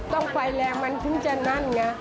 ต้องไฟแรงมันถึงจะนั่นไง